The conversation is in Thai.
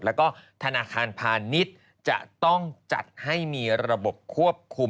แล้วก็ธนาคารพาณิชย์จะต้องจัดให้มีระบบควบคุม